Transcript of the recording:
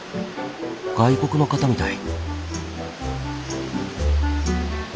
外国の方みたい。